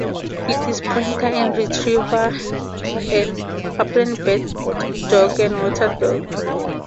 It is pointer and retriever, an upland bird dog and water dog.